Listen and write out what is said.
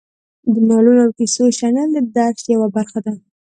د نالونو او کیسو شنل د درس یوه برخه ده.